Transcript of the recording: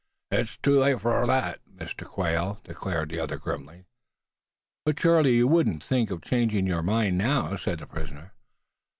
"Hit's too late fur thet, Mistah Quail!" declared the other grimly. "But surely you wouldn't think of changing your mind now?" said the prisoner.